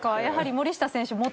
やはり森下選手